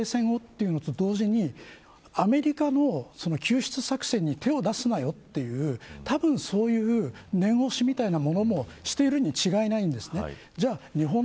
それはぜひ停戦をというのと同時にアメリカの救出作戦に手を出すなよという多分、そういう念押しみたいなものをしているに違いないんです。